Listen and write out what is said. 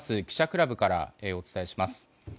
記者クラブからお伝えします。